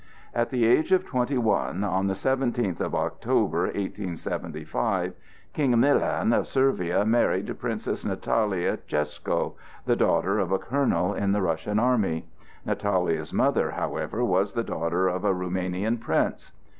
At the age of twenty one, on the seventeenth of October, 1875, King Milan of Servia married Princess Natalia Keschko, the daughter of a colonel in the Russian army; Natalia's mother, however, was the daughter of a Roumanian prince.